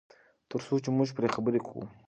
تر څو چې موږ پرې خبرې کوو.